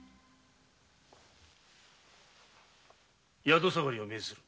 宿下がりを命ずる。